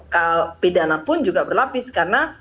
kpdana pun juga berlapis karena